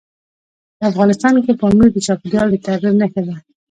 افغانستان کې پامیر د چاپېریال د تغیر نښه ده.